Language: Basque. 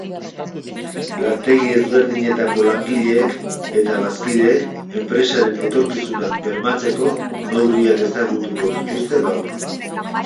Lantegi ezberdinetako langileek eta bazkideek enpresaren etorkizuna bermatzeko neurriak ezagutuko dituzte gaur.